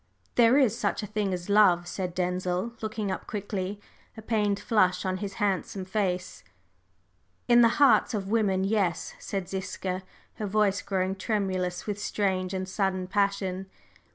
"There is such a thing as love!" said Denzil, looking up quickly, a pained flush on his handsome face. "In the hearts of women, yes!" said Ziska, her voice growing tremulous with strange and sudden passion.